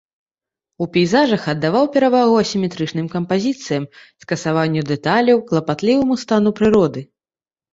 У пейзажах аддаваў перавагу асіметрычным кампазіцыям, скасаванню дэталяў, клапатліваму стану прыроды.